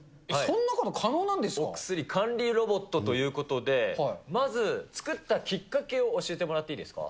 お薬管理ロボットということで、まず作ったきっかけを教えてもらっていいですか？